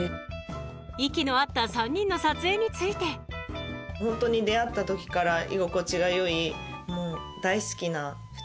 息の合った３人の撮影についてホントに出会った時から居心地が良い大好きな２人で。